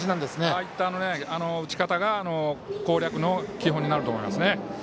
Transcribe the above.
ああいった打ち方が攻略の基本になると思います。